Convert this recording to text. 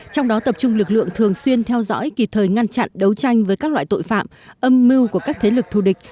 trong đó tập trung lực lượng thường xuyên theo dõi kịp thời ngăn chặn đấu tranh với các loại tội phạm âm mưu của các thế lực thù địch